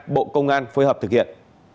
bộ công an phối hợp thực hiện